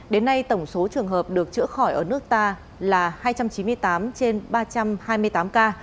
đến nay tổng số trường hợp được chữa khỏi ở nước ta là hai trăm chín mươi tám trên ba trăm hai mươi tám ca